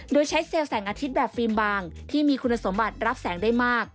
โดยใช้เซลล์แสงอาทิตย์แบบฟิล์มบางที่มีคุณสมบัติรับแสงได้มาก